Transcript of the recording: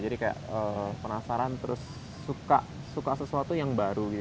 jadi kayak penasaran terus suka sesuatu yang baru gitu